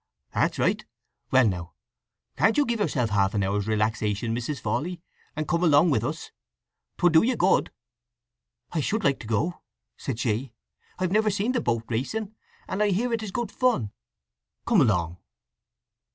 "That's right. Well now, can't you give yourself half an hour's relaxation, Mrs. Fawley, and come along with us? 'Twould do you good." "I should like to go," said she. "I've never seen the boat racing, and I hear it is good fun." "Come along!"